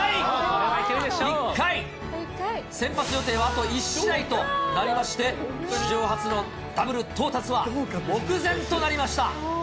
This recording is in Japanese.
先発予定はあと１試合となりまして、史上初のダブル到達は目前となりました。